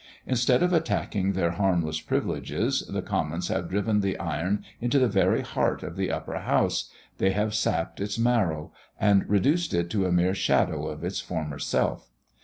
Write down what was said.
Instead of attacking their harmless privileges, the Commons have driven the iron into the very heart of the Upper House they have sapped its marrow, and reduced it to a mere shadow of its former self.